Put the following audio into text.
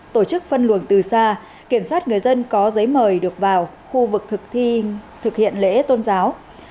tổ chức phân luồng từ xa kiểm soát người dân có giấy mời được vào khu vực thực thi thực hiện lễ tôn giáo